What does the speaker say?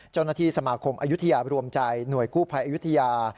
เจ้าหน้าที่สมาคมอายุทยารวมใจหน่วยกู้ภัยอายุทยา